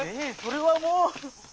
ええそれはもう！